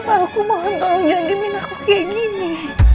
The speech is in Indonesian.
pak aku mohon tolong jangan jemin aku kayak gini